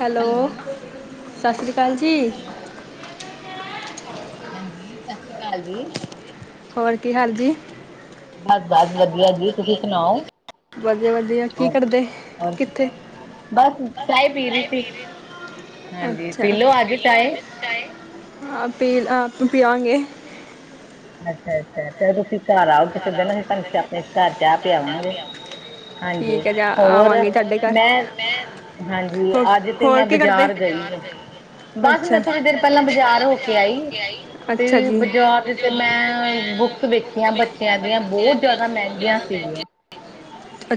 Hello, ਸਾਸ਼੍ਰੀ ਕਾਲ ਜੀ। ਹਾਂਜੀ, ਸਾਸ਼੍ਰੀ ਕਾਲ ਜੀ। ਹੋਰ ਕੀ ਹਾਲ ਜੀ? ਬਸ, ਬਸ ਵਦੀਆ ਜੀ ਤੁਸੀ ਸੁਨਾਓ। ਵਦੀਆ, ਵਦੀਆ ਕੀ ਕਰਦੇ, ਕਿੱਥੇ? [unintelligible] ਅੱਛਾ [unintelligible] ਹਾਂ, ਪੀਲ ਆਪ ਪੀਆਂਗੇ ਅੱਛਾ, ਅੱਛਾ ਫੇਰ ਤੁਸੀ ਘਰ ਆਓ ਕਿਸੇ ਦੇਨ ਅਸੀ ਤਾਨੂੰ ਆਪਨੇ‌ ਘਰ ਚਾ ਪੇਆਵਾਂਗੇ। ਹਾਂਜੀ, ਹੋਰ ਮੈਂ ਹਾਂਜੀ, ਅੱਜ ਤੇ ਮੈਂ ਬਜਾਰ ਗਈ ਤਾਂ। ਬਸ ਮੈਂ ਥੋੜੀ ਦੇਰ ਪੈਲਾਂ ਬਜਾਰ ਹੋ ਕੇ ਆਈ, ਤੇ ਬਜਾਰ ਤੇ ਮੈਂ ਬੁੱਕਸ ਵੇਖੀਆਂ ਬੱਚੇਆਂ ਦੀਆਂ ਬੋਤ ਜਾਦਾ ਮੈਂਗੀਆਂ ਸੀਗੀਆਂ।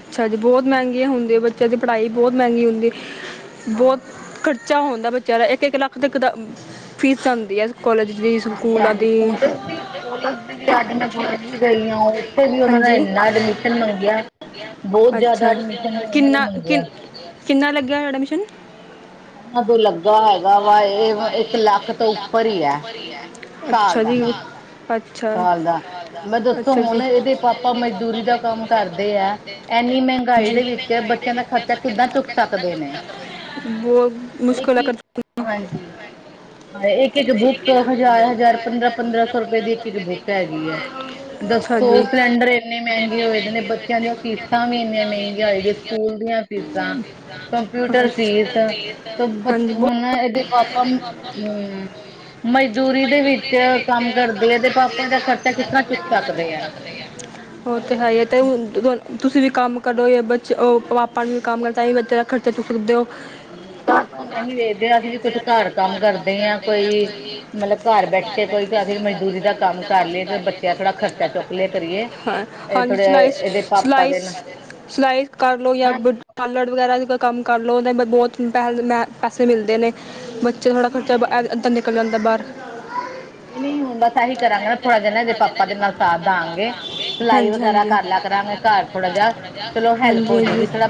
ਅੱਛਾ ਜੀ, ਬੋਤ ਮੈੰਗੀ ਹੁੰਦੀ ਬੱਚੇਆਂ ਦੀ ਪੜਾਈ ਬੋਤ ਮੈਂਗੀ ਹੁੰਦੀ। ਬੋਤ ਖਰਚਾ ਹੁੰਦਾ ਬੱਚੇਆ ਦਾ ਏਕ, ਏਕ ਲਾਖ ਤਕ ਤਾ ਫ਼ੀਸ ਜਾਂਦੀ ਐ। ਕੋਲਜ ਦੀ, ਸਕੂਲਾ ਦੀ। ਹਂਜੀ। ਅੱਛਾ ਕਿੰਨਾ ਕਿੰਨ ਕਿੰਨਾ ਲੱਗਿਆ ਐਡਮਿਸ਼ਨ? ਉਹਨਾਂ ਦੋ ਲੱਗਾ ਹੈਗਾ ਵਾ ਇਹ ਇੱਕ ਲੱਖ ਤੋਂ ਉੱਪਰ ਹੀ ਹੈ, ਸਾਲ ਹਂਜੀ ਅੱਛਾ। [unintelligible] ਮੈਂ ਦੱਸੋ ਹੁਣ ਇਹਦੇ ਪਾਪਾ ਮਜ਼ਦੂਰੀ ਦਾ ਕੰਮ ਕਰਦੇ ਐ ਏੰਨੀ ਮਹਿੰਗਾਈ ਦੇ ਵਿੱਚ ਬੱਚਿਆਂ ਦਾ ਖਰਚਾ ਕਿੱਦਾਂ ਚੁੱਕ ਸਕਦੇ ਨੇ, ਇਹ ਕੀ ਹਾਂਜੀ। ਹਾਂ, ਇੱਕ-ਇੱਕ ਬੁੱਕ ਹਜ਼ਾਰ-ਹਜ਼ਾਰ, ਪੰਦਰਾਂ-ਪੰਦਰਾਂ ਸੌ ਰੁਪਏ ਦੀ ਇੱਕ [unintelligible] ਦੱਸੋ ਸਿਲੰਡਰ ਇੰਨੇ ਮਹਿੰਗੇ ਹੋਏ ਦੇ ਨੇ, ਬੱਚਿਆਂ ਦੀਆਂ ਫੀਸਾਂ ਵੀ ਇੰਨੇ ਮਹਿੰਗੀਆਂ ਹੋਈ ਦੀਯਾਂ ਸਕੂਲ ਦੀਆਂ ਫੀਸਾਂ। ਕੰਪਿਊਟਰ ਫੀਸ ਬਚ ਹੁਣ ਨਾ ਇਹਦੇ ਪਾਪਾ ਹਮ ਮਜ਼ਦੂਰੀ ਦੇ ਵਿਚ ਕੰਮ ਕਰਦੇ ਹੈ ਤੇ ਉਹ ਤੇ ਹੈਹੀ ਹੈ ਤੇ ਹੁਣ ਤੁਸੀ ਵੀ ਕਮ ਕਰੋ ਜਾ ਬੱਚ ਓ ਪਾਪਾ ਨੂੰ ਵੀ ਕਮ ਕਰੋ ਤਾਂ ਹੀ ਬੱਚੇ ਦਾ ਖਰਚਾ ਚੁੱਕ ਸਕਦੇ ਓ ਬੱਸ- ਹ ਅਸੀ ਵੇਖਦੇ ਹਾਂ ਅਸੀ ਵੀ ਕੁਛ ਘਰ ਕਮ ਕਰਦੇ ਹਾਂ ਕੋਈ ਮਤਲਬ ਘਰ ਬੈਠ ਕੇ ਕੋਈ ਅਸੀ ਮਜਦੂਰੀ ਦਾ ਕਮ ਕਰ ਲਈਏ ਤੇ ਬੱਚਿਆਂ ਫਿਰ ਥੋੜ੍ਹਾ ਖਰਚਾ ਚੁਕ ਲਿਆ ਕਰੀਏ ਇਹ ਥੋੜੇ ਇਹਦੇ ਪਾਪਾ ਦੇ ਨਾ ਸਿਲਾਈ ਕਰ ਲੋ ਯਾ ਪਾਰਲਰ ਵਗੈਰਾ ਕਮ ਕਰ ਲਓ ਉਹ ਬਹੁਤ ਮੈ ਪੈਸੇ ਮਿਲਦੇ ਨੇ ਬੱਚੇ ਥੋੜ੍ਹਾ ਖਰਚਾ ਅਧਾ ਨਿਕਲ ਜਾਂਦਾ ਬਾਹਰ ਨਹੀ-ਨਹੀ ਹੁਣ ਹੀ ਕਰਾਗੇ ਨਾ ਥੋੜਾ ਜਿਹਾ ਨਾ ਇਹਦੇ ਪਾਪਾ ਦੇ ਨਾਲ ਸਾਥ ਦਾਗੇ ਸਿਲਾਈ ਵਗੈਰਾ ਕਰ ਲਿਆ ਕਰਾਂਗੇ ਘਰ ਥੋੜਾ ਜਿਹਾ [unintelligible] ਚਲੋ ਹੈਲਪ ਹੋ ਜੇਗੀ ਥੋੜਾ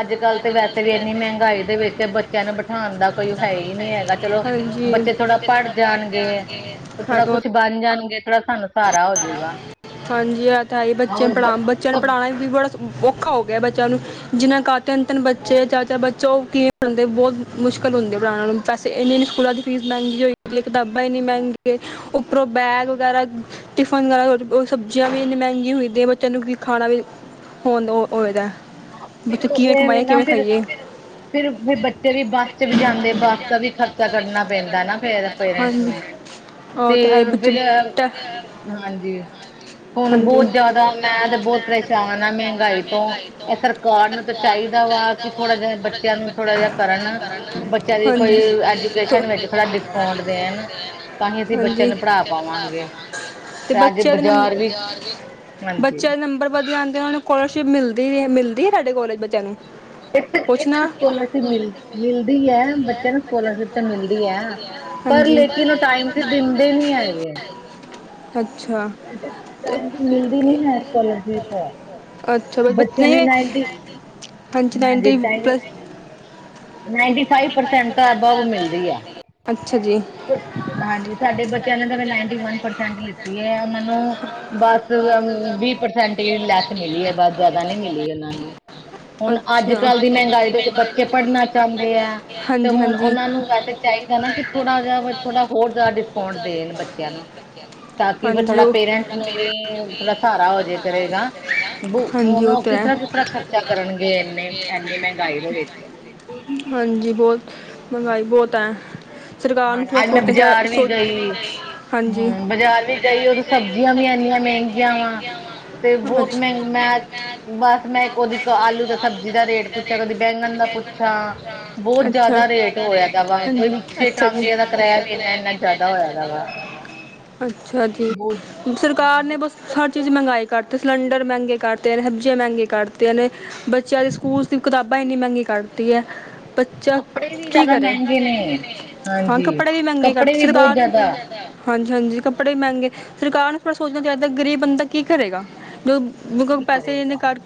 ਅਜ ਕਲ ਤੇ ਵੈਸੇ ਵੀ ਇਨੀ ਮਹਿਣਗਾਈ ਦੇ ਵਿਚ ਬੱਚਿਆਂ ਨੂੰ ਬਠਾਣ ਦਾ ਕੋਈ ਹੈ ਹੀ ਨਹੀ ਹੈਗਾ ਚਲੋ ਬੱਚੇ ਥੋੜਾ ਪੜ੍ਹ ਜਾਣਗੇ ਥੋੜਾ ਕੁਛ ਬਣ ਜਾਣਗੇ ਥੋੜਾ ਸਾਨੂੰ ਸਹਾਰਾ ਹੋਜੂਗਾ। ਹਾਂਜੀ ਇਹ ਤਾਂ ਹੈ ਈ ਬੱਚਿਆਂ ਨੂੰ ਪੜਾ ਬੱਚਿਆਂ ਨੂੰ ਪੜਾਨਾ ਵੀ ਬੜਾ ਔਖਾ ਹੋ ਗਿਆ ਬੱਚਿਆਂ ਨੂੰ ਜਿਨਾ ਤਿਨ-ਤਿਨ ਬੱਚੇ ਚਾਰ-ਚਾਰ ਬੱਚੇ ਉਹ [unintelligible] ਬਹੁਤ ਮੁਸ਼ਕਿਲ [unintelligible] ਨੂੰ ਪੈਸੇ ਇਨੀ-ਇਨੀ ਸਕੂਲਾਂ ਦੀ ਫੀਸ ਮਹਿਗੀ ਹੋਈ ਦੀਏ ਕਿਤਾਬਾ ਏਨੀ ਮਹਿਗੀ ਏ ਉਪਰੋਂ ਬੈਗ ਵਗੈਰਾ ਟਿਫਨ ਵਗੈਰਾ ਸਬਜ਼ੀਆਂ ਵੀ ਇਨੀ ਮਹਿਗੀ ਹੋਈ ਦੀਆਂ ਬੱਚਿਆਂ ਨੂੰ ਕੀ ਖਾਣਾ ਵੀ ਹੋ ਹੋਏਦਾ ਬੱਚੇ ਕਿਵੇਂ ਕਮਾਏ ਕਿਵੇਂ ਖਾਈਏ ਫਿਰ ਬੱਚੇ ਦੇ ਵਸਤੇ [unintelligible] ਵਾਸਤੇ ਵੀ ਖਰਚਾ ਕਰਨਾ ਪੈਂਦਾ ਨਾ ਫੇਰ। ਉਹ ਤੇ ਹੈ [unintelligible] ਹਾਂਜੀ ਹੋ ਬਹੁਤ ਜ਼ਿਆਦਾ ਮੈਂ ਤੇ ਬਹੁਤ ਪਰੇਸ਼ਾਨ ਹਾਂ ਮਹਿਗਾਈ ਤੋ ਸਰਕਾਰ ਨੂੰ ਚਾਹੀਦਾ ਵਾ ਕਿ ਥੋੜਾ ਜਿਹਾ ਬੱਚਿਆਂ ਨੂੰ ਥੋੜਾ ਜਿਹਾ ਕਰਨ [unintelligible] ਹਾਂਜੀ ਤੇ ਬੱਚਿਆਂ ਦੇ ਨ ਬੱਚਿਆਂ ਦੇ ਨੰਬਰ ਵਧੀਆ ਆਂਦੇ ਉਹਨਾ ਨੂੰ ਸਕੋਲਰਸ਼ਿਪ ਮਿਲਦੀ ਹੈ ਤੁਹਾਡੇ ਕੋਲਜ ਬੱਚਿਆਂ ਨੂੰ? ਇਕ ਇਕ ਸਕੌਲਰਸ਼ਿਪ ਮਿਲ ਮਿਲਦੀ ਹੈ, ਬੱਚਿਆਂ ਨੂੰ ਸਕੋਲੇਜਸ਼ਿਪ ਤਾਂ ਮਿਲਦੀ ਹੈ, ਪਰ ਲੇਕਿਨ ਉਹ ਟਾਈਮ ਸਿਰ ਦਿੰਦੇ ਨੀ ਹੈਗੇ ਟਾਈਮ ਸਿਰ ਮਿਲਦੀ ਨੀ ਹੈ ਸਕੋਲਰਸ਼ਿਪ ਬੱਚਿਆਂ ਨੂੰ ਨਾਈਟੀ [unintelligible] ਨਾਈਨਟੀ ਫਾਈਵ ਪਰਸੈਟ ਤਾਂ ਅਬਵ ਮਿਲਦੀ ਹੈ। ਹਾਂਜੀ ਸਾਡੇ ਬਚਿਆਂ ਨੇ ਤਾਂ ਨਾਈਨਟੀ ਵਨ ਪਰਸੈਂਟ ਲ ਉਹਨਾਂ ਨੂੰ ਬਸ ਵੀਹ ਪਰਸੈਂਟ ਹੀ ਲੈਸ ਮਿਲੀ ਹੈ ਬਸ ਜਿਆਦਾ ਨੀ ਮਿਲੀ ਹੁਣ ਅਜ ਕਲ ਦੀ ਮਹਿਗਾਈ ਦੇ ਵਿਚ ਬੱਚੇ ਪੜ੍ਹਨਾ ਚਾਹੁੰਦੇ ਆ ਤੇ ਹੁਣ ਉਹਨਾਂ ਨੂੰ ਵੈਸੇ ਚਾਹੀਦਾ ਨਾ ਕਿ ਥੋੜਾ ਜਿਹਾ ਥੋੜਾ ਹੋਰ ਜ਼ਿਆਦਾ ਡਿਸਕਾਊਂਟ ਦੇਣ ਬੱਚਿਆਂ ਨੂੰ ਤਾਂ ਕਿ ਫ ਥੋੜਾ ਪੇਰੈਂਟਸ ਨੂੰ ਵੀ ਥੋੜਾ ਸਹਾਰਾ ਹੋਜੇ ਕਰੇਗਾ ਬੁ ਹੁਣ ਉਹ ਕਿਸ ਤਰਾ, ਕਿਸ ਤਰਾ ਖਰਚਾ ਕਰਨਗੇ ਇਨੇ ਐੰਨੀ ਮਹਿਗਾਈ ਦੇ ਵਿੱਚ। ਹਾਂਜੀ ਬਹੁਤ ਮਹਿਗਾਈ ਬਹੁਤ ਹੈ। ਸਰਕਾਰ ਨੂੰ ਥੜਾ ਸੋਚਣਾ ਚਾ ਸੋਚ ਹਾਂਜੀ ਬਾਜ਼ਾਰ ਵੀ ਗਈ ਉਦੋ ਸਬਜ਼ੀਆਂ ਵੀ ਇਨੀਆਂ ਮਹਿਗੀਆਂ ਵਾ ਤੇ ਬਹੁਤ ਮਹਿ ਮੈਂ ਬਸ ਮੈਂ ਉਹਦੀ ਆਲੂ ਦਾ ਸਬਜ਼ੀ ਦਾ ਰੇਟ ਪੁਛਿਆ ਕਦੀ ਬੈਂਗਣ ਦਾ ਪੁਛਾਂ ਬਹੁਤ ਜਾਦਾ ਰੇਟ ਹੋਇਆ ਦਾ ਵਾ ਕੋਈ ਰਿਕਸ਼ੇ ਟਾਂਗੇ ਦਾ ਕਿਇਆ ਵੀ ਇਨਾ ਇਨਾ ਜ਼ਿਆਦਾ ਹੋਇਆ ਦਾ ਵਾ। ਅਛਾ ਜੀ ਸਰਕਾਰ ਨੇ ਬਸ ਹਰ ਚੀਜ਼ ਮੰਹਗਾਈ ਕਰ ਅਤੇ ਸਿਲੰਡਰ ਮਹਿਗੇ ਕਰਤੇ ਨੇ, ਸਬਜ਼ੀਆਂ ਮਹਿੰਗੀ ਕਰਤੀਆਂ ਨੇ, ਬੱਚਿਆਂ ਦੇ ਸਕੂਲ ਦੀ ਕਿਤਾਬਾਂ ਇਨੀ ਮਹਿਗੀ ਕਰ [unintelligible] ਬੱਚਾ ਕੀ ਕਰੇ। ਹਾਂ ਕੱਪੜੇ ਵੀ ਮਹਿਗੇ ਕਰਤੀ ਸਰਕਾਰ ਹਾਂਜੀ-ਹਾਂਜੀ ਕੱਪੜੇ ਮਹਿੰਗੇ ਸਰਕਾਰ ਨੂੰ ਥੋੜਾ ਸੋਚਣਾ ਚਾਹੀਦਾ ਗਰੀਬ ਬੰਦਾ ਕੀ ਕਰੇਗਾ। ਪੈਸੇ ਇਨੇ ਕਰ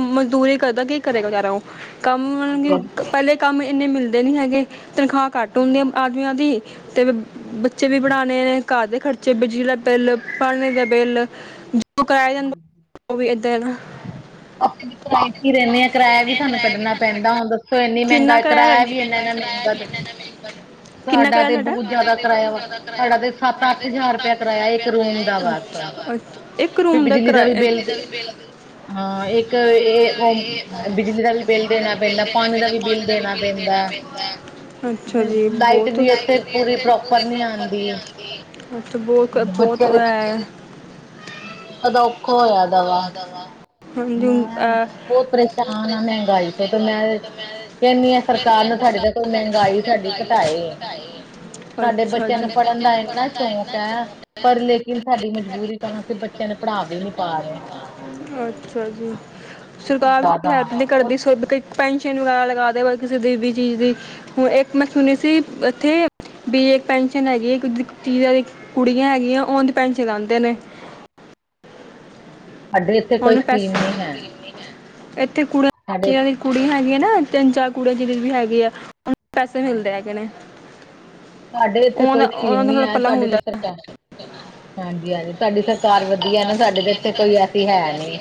ਮਜ਼ਦੂਰੀ ਕਰਦਾ ਕੀ ਕਰੇਗਾ ਵਿਚਾਰ ਉਹ। ਕੰਮ ਮਹਿੰਗੇ ਪਹਲੇ ਕੰਮ ਇੰਨੇ ਮਿਲਦੇ ਨੀ ਹੈਗੇ ਤਨਖਾਹ ਘੱਟ ਹੁੰਦੀਆਂ ਆਦਮੀਆਂ ਦੀ। ਤੇ ਬੱਚੇ ਵੀ ਪੜ੍ਹਾਣੇ ਨੇ ਘਰ ਦੇ ਖਰ ਬਿਜਲੀ ਦਾ ਬਿੱਲ, ਪਾਨੀ ਦਾ ਬਿੱਲ ਜੋ ਕਰਾਯਾ [inaudible] [unintelligible] [inaudible] ਕਰਾਯੇ ਤੇ ਰਹਨੇ ਆ ਕਰਾਯਾ ਵੀ ਸਾਨੂੰ ਕੱਢਣਾ ਪੈਂਦਾ ਹੁਣ ਦੱਸੋ ਇੰਨੀ ਮਹਿੰਗਾ ਕਰਾਯਾ ਵੀ ਇੰਨਾ ਇੰਨਾ ਮਹਿੰਗਾ ਸਾਡਾ ਤੇ ਬਹੁਤ ਜਿਆਦਾ ਕਰਾਆ ਵਾ ਸਾਡਾ ਤੇ ਸੱਤ ਅੱਠ ਹਜ਼ਾਰ ਕਰਇਆ ਇੱਕ ਰੂਮ ਦਾ ਵਾ ਫਿਰ ਬਿਜਲੀ ਦਾ ਵੀ ਬਿੱਲ ਹਾਂ ਇੱਕ ਇਹ ਉਹ ਬਿਜਲੀ ਦਾ ਵੀ ਬਿੱਲ ਦੇਨਾ ਪੈਂਦਾ, ਪਾਣੀ ਦਾ ਵੀ ਬਿੱਲ ਦੇਨਾ ਪੈਂਦਾ। ਅਛਾ ਜੀ ਬਹੁਤ ਬਹੁਤ ਬਹੁਤ ਐ ਔਦਾ ਔਖਾ ਹੋਇਆ ਦਾ ਵਾ। ਹਂਜੀ ਅ ਸਰਕਾਰ ਸਾਡੇ ਮਹਿੰਗਾਈ ਸਾਡੀ ਘਟਾਏ। ਸਾਡੇ ਬੱਚਿਆਂ ਨੂੰ ਪੜ੍ਹਨ ਦਾ ਇੰਨਾ ਸ਼ੌਕ ਹੈ। ਹੈਂ ਪਰ, ਲੇਕਿਨ ਸਾਡੀ ਮਜਬੂਰੀ ਕਹਾਂ ਕਿ ਬੱਚਿਆਂ ਨ ਪੜ੍ਹਾ ਵੀ ਨਹੀਂ ਪਾ ਰੇ। ਅੱਛਾ ਜੀ ਸਰਕਾਰ ਰਿਐਤ ਨੀ ਕਰਦੀ [unintelligible] ਪੈਨਸ਼ਨ ਵਗੈਰਾ ਲਗਾ ਦੇ ਹੋਏ ਕਿਸੇ ਦੀ ਵੀ ਚੀਜ਼ ਦੀ, ਹੁਣ ਇੱਕ ਮੈਂ ਸੁਣੀ ਸੀ ਇੱਥੇ ਬੀ ਇੱਕ ਪੈਨਸ਼ਨ ਹੈਗੀ ਏ [unintelligible] ਕੁੜੀਆਂ ਹੈਗੀਆਂ ਉਦ ਪੈਨਸ਼ਨ ਲਾਂਦੇ ਨੇ। ਉਹਨੂੰ ਪੈਸ ਇੱਥੇ ਕੁੜੀਆਂ [inaudible] ਕੁੜੀਆਂ ਹੈਗੀਆਂ ਨਾ ਤਿੰਨ ਚਾਰ ਕੁੜੀਆਂ ਜਿਹੜੇ ਵੀ ਹੈਗੀ ਆ ਪੈਸੇ ਮਿਲਦੇ ਹੈਗੇ ਨੇ। ਸਾਡੇ ਇੱਥੇ ਕੋਈ ਸਕੀਮ ਨੀ ਐ ਤੁਹਾਡੇ ਤੇ ਸਰਕਾਰ ਹਾਂਜੀ-ਹਾਂਜੀ ਤੁਹਾਡੀ ਸਰਕਾਰ ਵਧੀਆ ਨਾ ਸਾਡੇ ਤੇ ਇੱਥੇ ਕੋਈ ਤੇ ਹੈ ਨੇ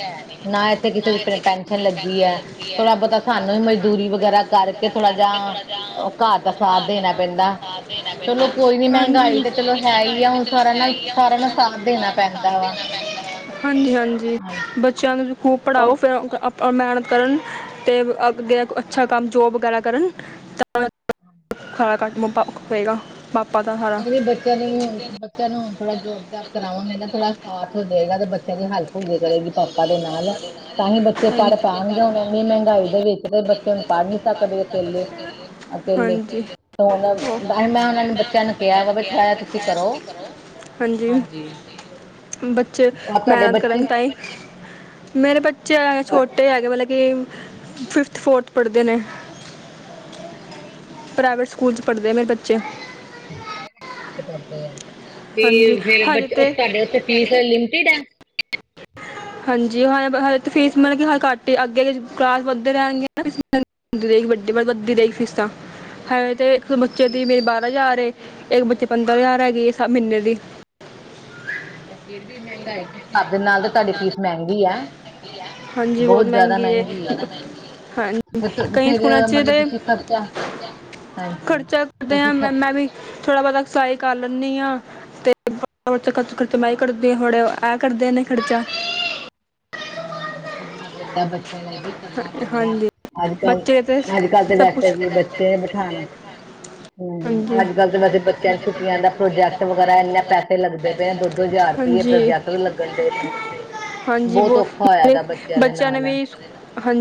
ਨਾ ਇੱਥੇ ਕਿਸੇ ਦੀ ਪੈਨਸ਼ਨ ਲੱਗੀ ਹੈ ਥੋੜਾ ਬਹੁਤਾ ਸਾਨੂੰ ਹੀ ਮਜਦੂਰੀ ਵਗੈਰਾ ਕਰਕੇ ਥੋੜਾ ਜਾ ਘਰ ਦਾ ਸਾਥ ਦੇਣਾ ਪੈਂਦਾ। ਹਾਜੀ ਹਾਂਜੀ-ਹਾਂਜੀ ਬੱਚਿਆਂ ਨੂੰ ਖੂਬ ਪੜ੍ਹਾਓ ਫੇਰ ਔਰ ਮਿਹਨਤ ਕਰਨ ਅਤੇ ਅੱਗੇ ਅੱਛਾ ਕੰਮ ਜੋਬ ਵਗੈਰਾ ਕਰਨ ਤਾਂ [unintelligible] ਬੱਚਿਆਂ ਨੇ ਵੀ ਹੁਣ, ਬੱਚਿਆਂ ਨੂੰ ਹੁਣ ਥੋੜਾ ਜੋਬ ਜਾਬ ਕਰਾਵਾਂਗੇ ਨਾ ਥੋੜਾ ਸਾਥ ਹੋ ਜੇਗਾ ਤੇ ਬੱਚਿਆਂ ਦੀ ਹਲ ਕਰੇਗੀ ਪਾਪਾ ਦੇ ਨਾਲ, ਤਾਂ ਹੀ ਬੱਚੇ ਪੜ੍ਹ ਪਾਣਗੇ ਹੁਣ ਇੰਨੀ ਮਹਿੰਗਾਈ ਦੇ ਵਿੱਚ ਤੇ ਬੱਚੇ ਨੂੰ ਕਰ ਨਹੀਂ ਸਕਦੇ ਇਕੱਲੇ-ਇਕੱਲੇ ਹੁਣ ਬਈ ਮੈਂ ਉਹਨਾਂ ਨੂੰ ਬਚ ਹਾਂਜੀ। ਬੱਚੇ ਮਿਹਨਤ, ਕਰਨ ਤਾਈ। ਮੇਰੇ ਬੱਚੇ ਹਾਲੇ ਛੋਟੇ ਹੈਗੇ ਨੇ। ਫਿਫਥ- ਫੋਰਥ ਪੜਦੇ ਨੇ। ਪ੍ਰਾਈਵੇਟ ਸਕੂਲ, ਚ ਪੜਦੇ ਮੇਰੇ ਬੱਚੇ। [unintelligible] ਵੀ ਫੇਰ, ਬੱਚੇ ਤੁਹਾਡੇ ਉੱਥੇ ਫੀਸ, ਲਿਮਟਿਡ ਹੈ? ਹਾਂਜੀ। ਹਾਂ, ਹਲੇ ਤੇ ਫੀਸ ਮਲਬ ਕਿ ਹਾਂ ਘੱਟ। [unintelligible] [unintelligible] ਇਕ ਬੱਚੇ ਦੀ ਮੇਰੀ ਬਾਰਾਂ ਹਯਾਰ ਏ, ਇੱਕ ਬੱਚੇ ਪੰਦਰਾਂ ਹਯਾਰ ਹੈਗੀ ਹੈ। ਸ ਮਹੀਨੇ ਦੀ। ਹੂੰ। ਤੇ ਫਿਰ ਵੀ ਮਹਿੰਗਾਈ। ਆਪ ਦੇ, ਨਾਲ ਤੇ, ਤੁਹਾਡੀ ਫੀਸ ਮਹਿੰਗੀ ਆ। ਬਹੁਤ, ਜਾਦਾ ਮਹਿੰਗੀ ਐ। ਫੇਰ ਮਤਲਬ, ਤੁਸੀਂ ਖਰਚਾ ਖਰਚਾ ਕਰਦੇ ਹਾਂ। ਮੈਂ, ਮੈਂ ਵੀ, ਥੋੜਾ ਬਹੁਤਾ ਸਲਾਈ ਕਰ ਲੇਨੀ ਆ। ਨਹੀਂ ਆਹ ਤੇ। [inaudible] [unintelligible] ਖਰਚ ਖਰਚ ਮੈਂ ਕਰਦੀ ਆ, ਹੜੇ ਇਹ ਕਰਦੇ ਨੇ। ਖੜਚਾ। ਹਾਂ। ਕਰਨਾ ਪੈਂਦਾ, ਬੱਚ ਬੱਚਿਆਂ ਚ ਲਈ ਵੀ, ਕਰਨਾ ਪੈਂਦਾ। ਅੱਜ ਕੱਲ, ਅੱਜ ਕੱਲ ਤੇ ਵੈਸੇ, ਵੀ ਬੱਚੇ ਬਿਠਾਣਾ। ਹੂੰ, ਅੱਜ ਕੱਲ ਤੇ ਵੈਸੇ ਬੱਚਿਆਂ ਨੂੰ, ਛੁੱਟੀਆਂ ਦਾ ਪ੍ਰੋਜੈਕਟ ਵਗੈਰਾ, ਇੰਨੇ ਪੈਸੇ ਲੱਗਦੇ ਪਏ ਨੇ, ਦੋ-ਦੋ ਹਜ਼ਾਰ। ਰੁਪਈਏ। ਪ੍ਰਜੈਕਟ ਤੇ ਲੱਗਣ ਦੇ ਨੇ। ਹਾਂਜੀ। ਬਹੁਤ [unintelligible] ਬੱਚਿਆਂ ਨੇ ਵੀ ਇਹ ਸੁ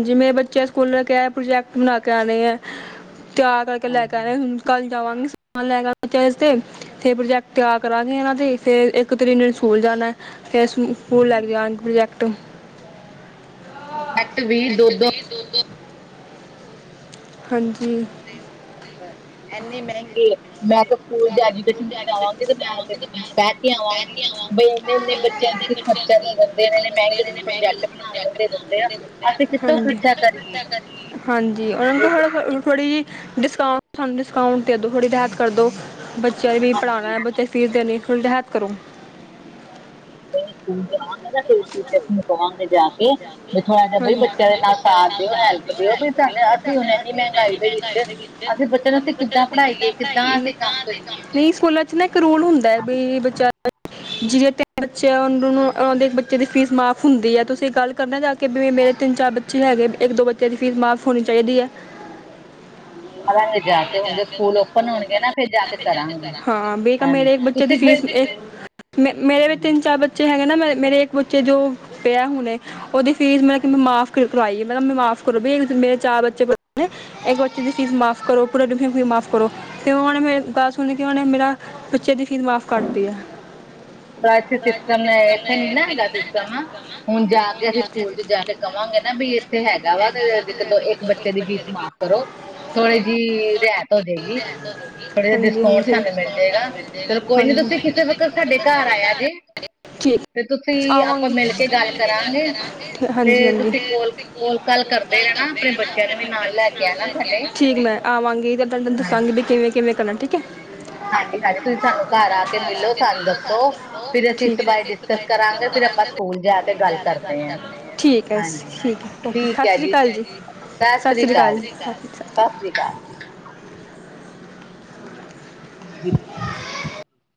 ਜਿਵੇਂ, ਬੱਚਿਆਂ ਸਕੂਲੇ ਕਿਹਾ। ਪ੍ਰੋਜੈਕਟ ਬਣਾ ਕੇ ਆਉਣੇ ਹੈ। ਤਿਆਰ ਕਰਕੇ ਲੈ ਕੇ ਆਉਣੇ। ਹੁਣ ਕੱਲ। ਜਾਵਾਂਗੇ ਸਮਾਨ ਲੈ ਕੇ। ਆਵਾਂ [unintelligible] ਜਿਸਦੇ ਤੇ ਪ੍ਰੋਜੈਕਟ ਤਿਆਰ ਕਰਾਂਗੇ ਇਹਨਾਂ ਦੇ। ਫੇਰ ਇੱਕ ਤਰੀਕ ਨੂੰ ਸਕੂਲ ਜਾ ਜਾਣਾ। ਫੇਰ, ਸਕੂਲ ਲੈ ਕੇ ਜਾਣਗੇ ਪ੍ਰੋਜੈਕਟ ਪ੍ਰੋਜੈਕਟ ਵੀ ਦੋ-ਦੋ ਹਾਂਜੀ। ਤੇ, ਬ ਇੰਨੀ ਮਹਿੰਗੀ ਹੈ। ਮੈਂ, ਤੇ ਸਕੂਲ ਦੇ ਐਜੂਕੇਸ਼ਨ ਚ ਜਾਵਾਂਗੀ, ਤੇ ਮੈਂ, ਤੇ ਕਹਿ ਕੇ ਆਵਾਂਗੀ, ਬਈ, ਇਨੇ-ਇਨੇ ਬੱਚਿਆਂ ਫੇਰ, ਖਰਚਾ ਦੇ ਦਿੰਦੇ ਨੇ। ਮਹਿੰਗੇ [unintelligible] ਪ੍ਰੋਜੈਕਟ ਬਣਾਉਣ ਲਈ ਦੇ ਦਿੰਦੇ ਆ। ਅਸੀਂ ਕਿੱਥੋਂ ਖਰਚਾ ਕਰੀਏ? ਕਰੀਏ। ਹਾਂਜੀ। ਉਹਨਾਂ ਨੂੰ, ਕਹੋ ਥੌੜਾ-ਥੌੜਾ, ਥੋੜੀ ਜਿਹੀ ਡਿਸਕਾਊਂਟ, ਸਾਨੂੰ ਡਿਸਕਾਊਂਟ ਦੇ ਦੋ। ਥੋੜੀ ਰਿਆਇਤ ਕਰਦੋ। ਬੱਚਿਆਂ ਵੀ ਪੜਾਣਾ ਹੈ। ਬੱਚਿਆਂ ਦੀ ਫ਼ੀਸ ਦੇਣੀ। ਥੋੜੀ ਰਿਆਇਤ ਕਰੋ। ਪਹਿਲੇ ਸਕੂਲ ਜਾਵਾਂਗੇ ਨਾ। ਫੇਰ ਟੀਚਰ ਨੂੰ ਕਵਾਂਗੇ ਜਾ ਕੇ। ਬਈ ਥੋੜਾ ਜਿਹਾ, ਬਈ ਬੱਚਿਆਂ ਦੇ ਨਾਲ, ਸਾਥ ਦਿਓ, ਹੈਲਪ ਦਿਓ ਬਈ ਤਾਨੂੰ ਅਸੀਂ, ਹੁਣ ਇਨੀਂ ਮਹਿੰਗਾਈ ਦੇ ਵਿੱਚ ਅਸੀਂ ਬੱਚਿਆਂ ਨੂੰ ਅਸੀਂ ਕਿਦਾਂ ਪੜਾਈਏ, ਕਿਦਾਂ ਅਸੀਂ ਕੰਮ ਕਰੀਏ। ਨਹੀਂ ਸਕੂਲਾਂ ਚ ਨਾ ਇੱਕ ਰੂਲ ਹੁੰਦਾ ਹੈ। ਬਈ ਬੱਚਿਆਂ ਜਿਹਦੇ ਤਿੰਨ ਬੱਚੇ, ਉਂਦ ਨੂੰ ਉਹ ਦੇ, ਇੱਕ ਬੱਚੇ ਦੀ, ਫ਼ੀਸ ਮਾਫ਼ ਹੁੰਦੀ ਹੈ। ਤੁਸੀਂ ਗੱਲ ਕਰਨਾ ਜਾ ਕਿ ਬਈ ਮੇਰੇ ਤਿੰਨ, ਚਾਰ ਬੱਚੇ ਹੈਗੇ। ਇੱਕ, ਦੋ ਬੱਚਿਆਂ ਦੀ ਫੀਸ ਮਾਫ਼ ਹੋਣੀ ਚਾਹੀਦੀ ਹੈ। [unintelligible] ਕਰਾਂਗੇ ਜਾ ਕੇ, ਹੁਣ ਜਦੋਂ ਸਕੂਲ ਓਪਨ ਹੋਣਗੇ ਨਾ, ਫੇਰ ਜਾ ਕੇ ਕਰਾਂਗੇ। ਹਾਂਜੀ, ਤੁਸੀਂ ਫਿਰ? ਮੇਰੇ ਵੀ ਤਿੰਨ, ਚਾਰ ਬੱਚੇ ਹੈਗੇ ਨਾ। ਫੇ ਮੇਰੇ ਇੱਕ ਬੱਚੇ ਜੋ, ਪਿਆ ਹੁਣੇ। ਉਹਦੀ ਫ਼ੀਸ ਮਤਲਬ ਕਿ, ਮੈਂ ਮਾਫ਼ ਕਰਵਾਈ। ਮੈਂ ਕਿਹਾ ਬਈ ਮਾਫ਼ ਕਰੋ ਬਈ ਮੇਰੇ ਚਾਰ ਬੱਚੇ ਪੜਦੇ ਨੇ, ਇੱਕ ਬੱਚੇ ਦੀ ਫ਼ੀਸ ਮਾਫ਼ ਕਰੋ [unintelligible] ਮਾਫ਼ ਕਰੋ। ਤੇ ਉਹ ਨੇ ਮੇਰੀ ਗੱਲ ਸੁਣ ਕੇ, ਉਹ ਨੇ ਮੇਰਾ ਬੱਚੇ ਦੀ ਫ਼ੀਸ ਮਾਫ਼ ਕਰਦੀ ਐ। ਬਾਹਰ ਤੇ ਸਿਸਟਮ ਹੈ। ਇੱਥੇ ਨੀ, ਨਾ ਹੈਗਾ ਸਿਸਟਮ। ਹੁਣ ਜਾ ਕੇ ਅਸੀਂ ਸਕੂਲ। ਤੇ ਜਾ ਕੇ ਕਵਾਂਗੇ ਨਾ, ਬਈ ਇੱਥੇ ਹੈਗਾ ਵਾ, ਤੇ ਇੱਕ, ਦੋ, ਇੱਕ ਬੱਚੇ ਦੀ ਫੀਸ ਮਾਫ਼ ਕਰੋ। ਥੋੜੀ, ਜਿਹੀ ਰਿਆਇਤ ਹੋਜੇਗੀ। ਥੋੜੇ ਜਿਹੇ ਡਿਸਕਾਊਂਟ, ਸਾਨੂੰ ਮਿਲ ਜਾਏਗਾ। ਚਲੋ ਕੋਈ ਨੀ, ਤੁਸੀਂ ਕਿਸੇ ਵਕਤ, ਸਾਡੇ ਘਰ ਆਇਆ ਜੇ। ਤੇ ਤੁਸੀਂ, ਆਪਾਂ ਮਿਲ ਕੇ ਗੱਲ ਕਰਾਂਗੇ। ਤੇ ਤੁਸੀਂ ਕੋਲ, ਕੋਲ ਗੱਲ ਕਰਦੇ ਰਹਿਣਾ। ਆਪਣੇ ਬੱਚਿਆਂ ਨੂੰ ਵੀ, ਨਾਲ ਲੈ ਕੇ ਆਉਣਾ ਸਾਡੇ। ਆਵਾਂਗੀ, ਤੇ ਤੁਹਾਨੂੰ ਦੱਸਾਂਗੀ ਵੀ, ਕਿਵੇਂ-ਕਿਵੇਂ ਕਰਨਾ ਠੀਕ ਹੈ। ਹਾਂਜੀ-ਹਾਂਜੀ, ਤੁਸੀਂ ਸਾਨੂੰ ਘਰ ਆ ਕੇ ਮਿਲੋ, ਸਾਨੂੰ ਦੱਸੋ, ਫੇਰ ਅਸੀਂ, ਇਸ ਬਾਰੇ ਡਿਸਕਸ ਕਰਾਂਗੇ। ਫਿਰ ਆਪਾਂ ਸਕੂਲ ਜਾ ਕੇ ਗੱਲ ਕਰਦੇ ਹਾਂ। ਠੀਕ ਹੈ, ਠੀਕ ਹੈ, ਓ, ਸਤਿ ਸ਼੍ਰੀ ਅਕਾਲ ਜੀ। ਸਤਿ ਸ਼੍ਰੀ ਅਕਾਲ, ਸਤਿ ਸ਼੍ਰੀ ਅਕਾਲ। [unintelligible]